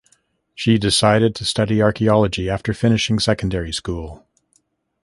She decided to study archaeology after finishing secondary school.